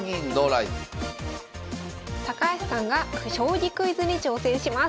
高橋さんが「将棋クイズ」に挑戦します。